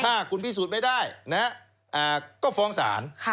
ถ้าคุณพิสูจน์ไม่ได้ก็ฟ้องศาล